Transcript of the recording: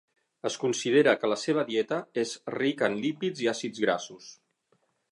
Es considera que la seva dieta és rica en lípids i àcids grassos.